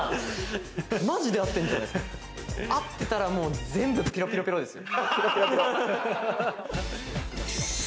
合ってたら全部ピロピロピロですよ。